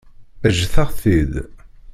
Ǧǧet-aɣ-t-id.